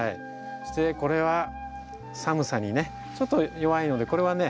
これは寒さにねちょっと弱いのでこれはね